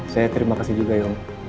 saya terima kasih juga yong